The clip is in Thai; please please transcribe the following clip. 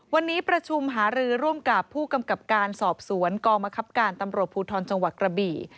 วันนี้ประชุมหารือร่วมกับผู้กำกับการสอบสวนกองมะครับการตำรวจภูทรจังหวัดกระบี่